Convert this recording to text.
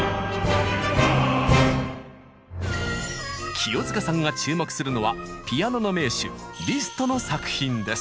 清塚さんが注目するのはピアノの名手リストの作品です。